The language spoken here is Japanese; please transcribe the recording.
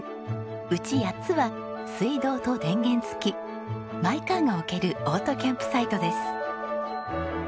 うち８つは水道と電源付きマイカーが置けるオートキャンプサイトです。